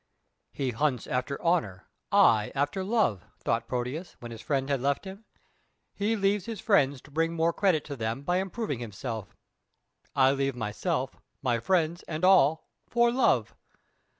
"He hunts after honour, I after love," thought Proteus, when his friend had left him. "He leaves his friends to bring more credit to them by improving himself. I leave myself, my friends, and all, for love.